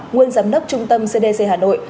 nguồn giám đốc trung tâm cdc hà nội